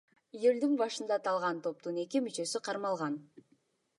Июлдун башында аталган топтун эки мүчөсү кармалган.